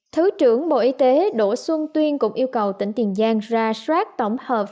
thứ trưởng bộ y tế đỗ xuân tuyên cũng yêu cầu tỉnh tiền giang ra soát tổng hợp